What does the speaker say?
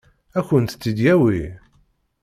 Ad kent-tt-id-yawi?